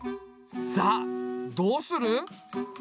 さあどうする？